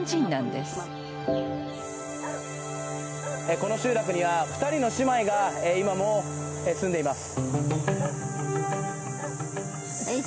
この集落には２人の姉妹が今も住んでいます。